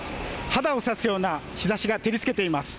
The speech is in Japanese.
肌を刺すような日ざしが照りつけています。